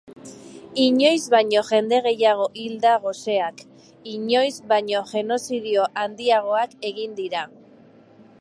Inoiz baino jende gehiago hil da goseak, inoiz baino genozidio handiagoak egin dira.